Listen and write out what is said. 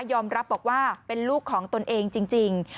ยอมรับบอกว่าเป็นลูกของตนเองจริง